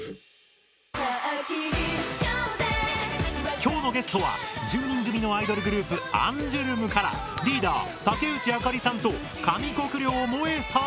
きょうのゲストは１０人組のアイドルグループアンジュルムからリーダー竹内朱莉さんと上國料萌衣さん。